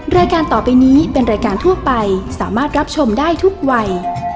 รายการต่อไปนี้เป็นรายการทั่วไปสามารถรับชมได้ทุกวัย